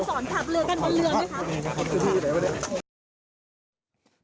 ขับเรือกันบนเรือไหมคะ